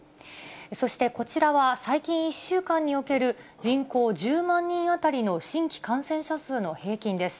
そしてこちらは、最近１週間における人口１０万人当たりの新規感染者数の平均です。